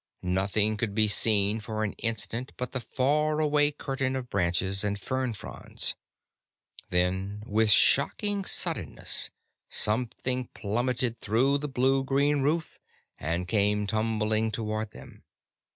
Nothing could be seen for an instant but the far away curtain of branches and fern fronds. Then, with shocking suddenness, something plummeted through the blue green roof and came tumbling toward them.